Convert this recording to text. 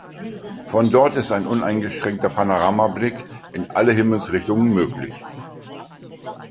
Von dort ist ein uneingeschränkter Panoramablick in alle Himmelsrichtungen möglich.